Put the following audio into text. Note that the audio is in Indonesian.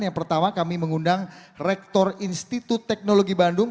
yang pertama kami mengundang rektor institut teknologi bandung